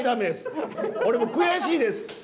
俺も悔しいです。